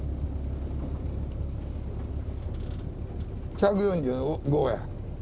１４５や。